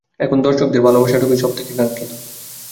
এখন দর্শকদের ভালোবাসাটুকুই সব থেকে কাঙ্ক্ষিত।